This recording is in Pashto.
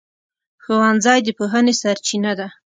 ښوونځی د پوهنې سرچینه ده.